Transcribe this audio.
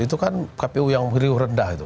itu kan kpu yang meriuh rendah